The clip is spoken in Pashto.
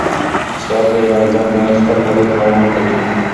ساعت به بې له ځنډه خپل فعالیت ته دوام ورکوي.